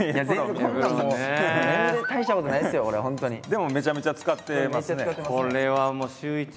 でもめちゃめちゃ使ってますね。